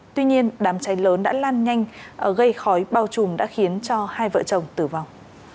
tuy nhiên đám cháy lớn đã lan nhanh gây khói bao trùm đã khiến cho hai vợ chồng tử vong